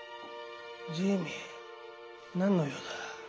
ジミー何の用だ？